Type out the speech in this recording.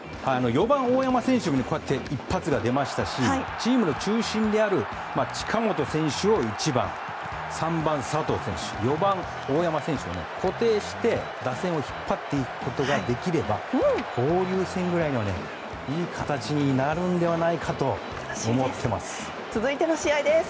４番、大山選手に一発が出ましたしチームの中心である近本選手を１番３番、佐藤選手４番、大山選手を固定して、打線を引っ張っていくことができれば交流戦ぐらいにはいい形になるのではないかと思っています。